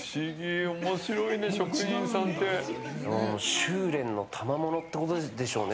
修練のたまものってことでしょうね、